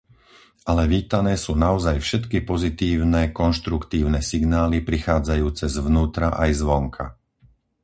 Ale vítané sú naozaj všetky pozitívne konštruktívne signály prichádzajúce zvnútra aj zvonka.